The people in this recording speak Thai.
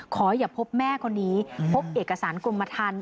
ขออย่าพบแม่คนนี้พบเอกสารกรมทัน